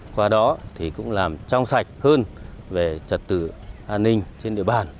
qua đó thì cũng làm trong sạch hơn về trật tự an ninh trên địa bàn